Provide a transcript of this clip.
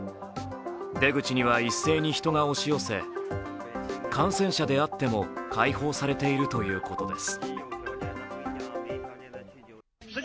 出口には一斉に人が押し寄せ感染者であっても解放されているということです。